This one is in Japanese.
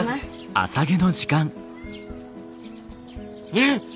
うん！